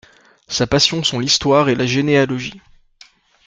Sa passion sont l'histoire et la généalogie.